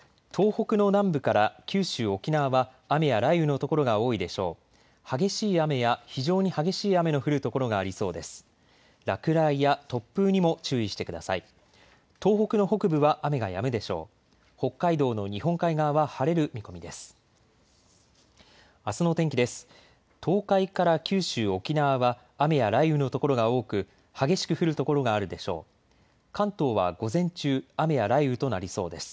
北海道の日本海側は晴れる見込みです。